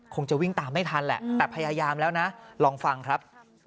คงจะวิ่งตามไม่ทันแหละแต่พยายามแล้วนะลองฟังครับ